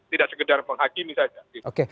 tidak sekedar menghakimi saja